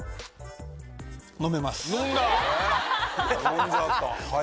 飲んじゃった早い。